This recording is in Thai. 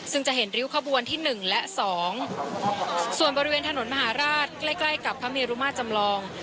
ซึ่งจะเห็นริ้วขบวนที่หนึ่งและสองส่วนบริเวณถนนมหาราชใกล้ใกล้กับพระเมรุมาตรจำลอง